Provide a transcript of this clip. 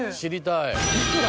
いくら？